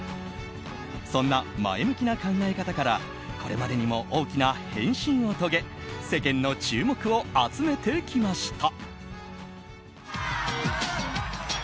そんな前向きな考え方からこれまでにも大きな変身を遂げ世間の注目を集めてきました。